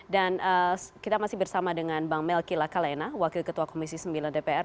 dan kita masih bersama dengan bang melky la calena wakil ketua komisi sembilan dpr